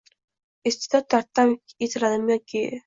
Iste’dod darddan yetiladimi yoki?